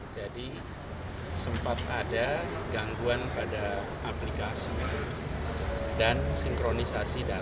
jadi sempat ada gangguan pada aplikasi dan sinkronisasi data